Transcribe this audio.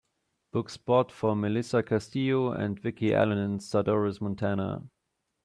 book spot for melisa castillo and vicky allen in Sadorus Montana